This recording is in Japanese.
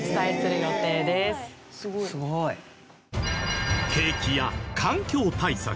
すごい。景気や環境対策